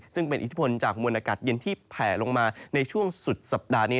ซึ่งเป็นอิทธิพลจากมวลอากาศเย็นที่แผ่ลงมาในช่วงสุดสัปดาห์นี้